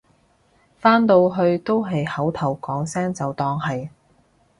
返到去都係口頭講聲就當係